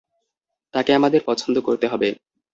তাকে আমাদের পছন্দ করতে হবে।